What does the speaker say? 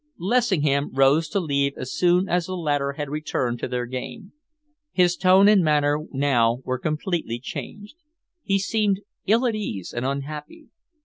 Lessingham rose to leave as soon as the latter had returned to their game. His tone and manner now were completely changed. He seemed ill at ease and unhappy.